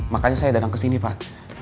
makanya saya datang ke sini pak